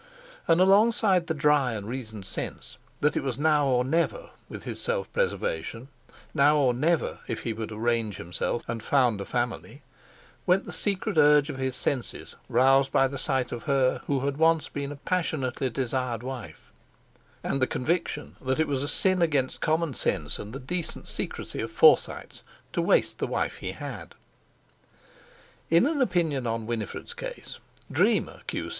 And, alongside the dry and reasoned sense that it was now or never with his self preservation, now or never if he were to range himself and found a family, went the secret urge of his senses roused by the sight of her who had once been a passionately desired wife, and the conviction that it was a sin against common sense and the decent secrecy of Forsytes to waste the wife he had. In an opinion on Winifred's case, Dreamer, Q.C.